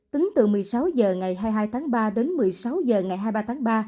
tính từ một mươi sáu h ngày hai mươi hai tháng ba đến một mươi sáu h ngày hai mươi ba tháng ba